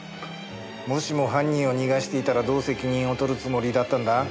もしも犯人を逃がしていたらどう責任を取るつもりだったんだ？